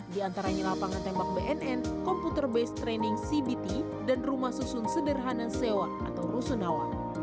di antaranya lapangan tembak bnn komputer base training cbt dan rumah susun sederhana sewa atau rusunawa